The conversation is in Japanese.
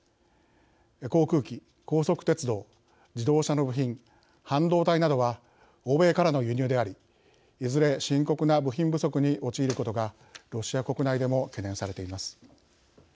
航空機、高速鉄道、自動車の部品半導体などは欧米からの輸入でありいずれ、深刻な部品不足に陥ることがロシア国内でも懸念されています。